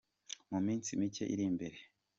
mu minsi mike iri imbere”.